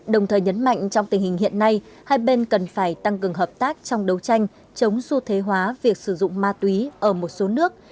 đồng thời nhấn mạnh trong tình hình hiện nay hai bên cần phải tăng cường hợp tác trong đấu tranh chống xu thế hóa việc sử dụng ma túy ở một số nước